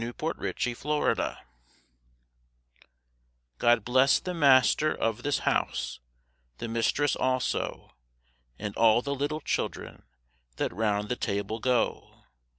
A CHRISTMAS CAROL God bless the master of this house, The mistress also, And all the little children, That round the table go.